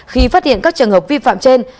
khi phát hiện các trường hợp vi phạm trên